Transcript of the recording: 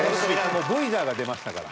もうボイジャーが出ましたから。